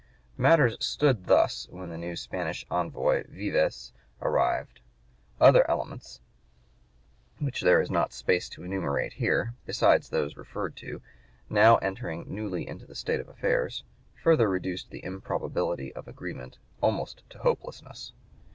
Matters stood thus when the new Spanish envoy, Vivês, arrived. Other elements, which there is not space to enumerate here, besides those referred to, now entering newly into the state of affairs, further reduced the improbability of agreement almost to hopelessness.